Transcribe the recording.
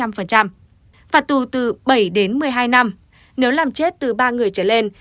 phạt tù từ bảy đến một mươi hai năm nếu làm chết từ ba người trở lên